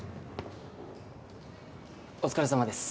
お疲れさまです